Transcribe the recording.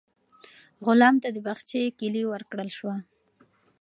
غلام ته د باغچې کیلي ورکړل شوه.